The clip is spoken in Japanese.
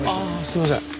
すいません。